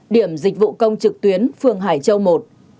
điểm dịch vụ công trực tuyến phương hải châu i